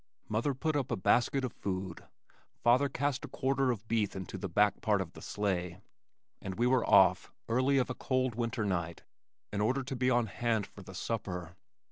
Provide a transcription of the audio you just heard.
Mother put up a basket of food, father cast a quarter of beef into the back part of the sleigh, and we were off early of a cold winter night in order to be on hand for the supper.